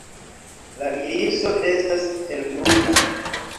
La iriso estas helbruna.